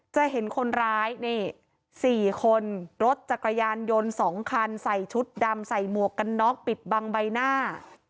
จะเห็นคนร้ายนี่๔คนรถจักรยานยนต์๒คันใส่ชุดดำใส่หมวกกันน็อกปิดบังใบหน้า